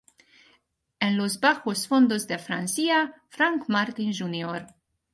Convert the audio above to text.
En los bajos fondos de Francia, Frank Martin Jr.